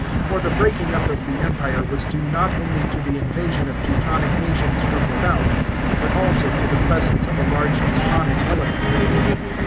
For the breaking up of the Empire was due not only to the invasion of Teutonic nations from without, but also to the presence of a large Teutonic element, within.